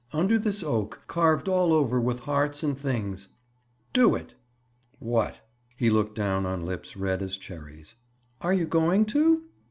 Under this oak, carved all over with hearts and things. Do it." "What?" He looked down on lips red as cherries. "Are you going to?"